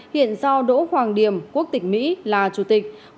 hiện do đỗ hoàng điểm quốc tịch mỹ là chủ tịch